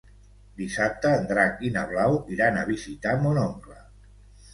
Dissabte en Drac i na Blau iran a visitar mon oncle.